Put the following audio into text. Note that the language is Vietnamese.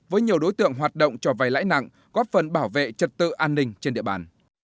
với nhiều đối tượng hoạt động cho vay lãi nặng góp phần bảo vệ trật tự an ninh trên địa bàn